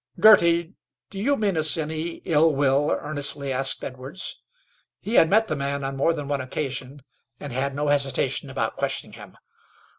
"Girty, do you mean us any ill will?" earnestly asked Edwards. He had met the man on more than one occasion, and had no hesitation about questioning him.